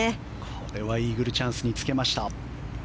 これはイーグルチャンスにつけました。